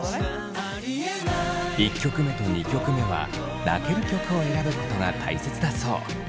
１曲目と２曲目は泣ける曲を選ぶことが大切だそう。